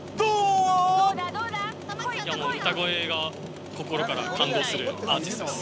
歌声が心から感動するアーティストです。